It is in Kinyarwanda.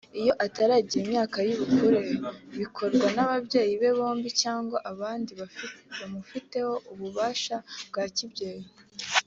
Iyo ataragira imyaka y’ubukure bikorwa n’ababyeyi be bombi cyangwa abandi bamufiteho ububasha bwa kibyeyi